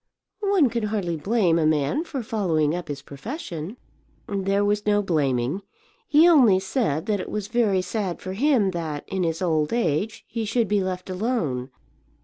"One can hardly blame a man for following up his profession." "There was no blaming. He only said that it was very sad for him that, in his old age, he should be left alone.